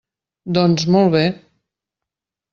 Doncs, molt bé.